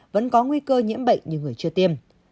vẫn có nguy cơ nhiễm bệnh như người chưa tiêm